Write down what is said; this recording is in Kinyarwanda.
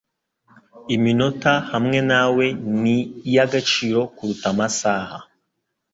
Iminota hamwe nawe ni iy'agaciro kuruta amasaha